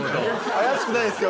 怪しくないですよ